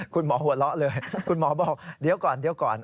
คุณหมอหัวเราะเลยคุณหมอบอกเดี๋ยวก่อน